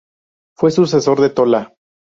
Fue sucesor de Tola.